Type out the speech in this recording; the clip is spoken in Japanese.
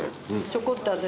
ちょこっと私。